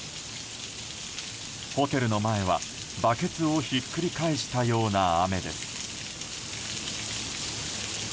ホテルの前はバケツをひっくり返したような雨です。